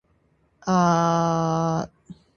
大昔に生息していた北京原人みたいでした